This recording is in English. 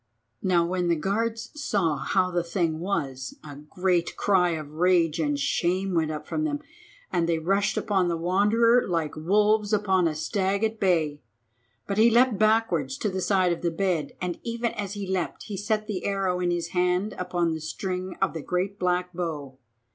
Now when the guards saw how the thing was, a great cry of rage and shame went up from them, and they rushed upon the Wanderer like wolves upon a stag at bay. But he leapt backwards to the side of the bed, and even as he leapt he set the arrow in his hand upon the string of the great black bow.